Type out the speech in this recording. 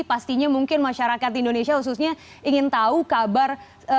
pastinya mungkin masyarakat di indonesia khususnya ingin tahu kabar